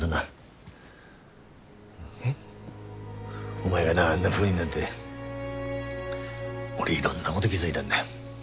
お前がなあんなふうになって俺いろんなごど気付いだんだよ。